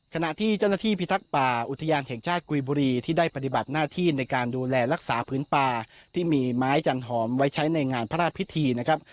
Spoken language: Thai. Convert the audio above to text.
ขณะที่เจ้าหน้าที่พิทักษ์ป่าอุทยานแห่งชาติกุยบุรีที่ได้ปฏิบัติหน้าที่ในการดูแลรักษาพื้นป่าที่มีไม้จันหอมไว้ใช้ในงานพระราชพิธีนะครับ